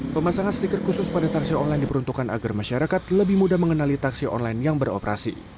pemasangan stiker khusus pada taksi online diperuntukkan agar masyarakat lebih mudah mengenali taksi online yang beroperasi